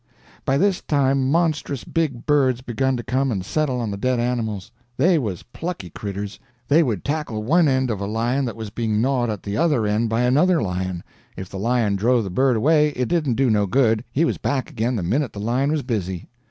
By this time monstrous big birds begun to come and settle on the dead animals. They was plucky creturs; they would tackle one end of a lion that was being gnawed at the other end by another lion. If the lion drove the bird away, it didn't do no good; he was back again the minute the lion was busy.